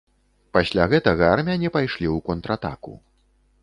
Пасля гэтага армяне пайшлі ў контратаку.